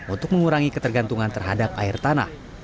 untuk mengurangi ketergantungan terhadap air tanah